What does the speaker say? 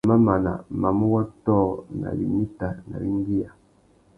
Na mamana, mamú wôtō nà winita nà « wingüiya ».